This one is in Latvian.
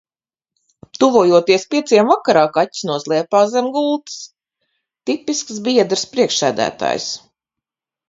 Tuvojoties pieciem vakarā, kaķis noslēpās zem gultas. Tipisks biedrs priekšsēdētājs.